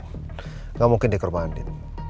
nggak mungkin dia ke rumah andin